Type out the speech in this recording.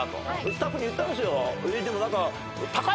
スタッフに言ったんですよ。